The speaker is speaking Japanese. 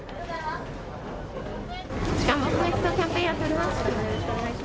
痴漢撲滅のキャンペーン、やっております。